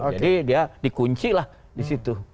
jadi dia dikunci lah di situ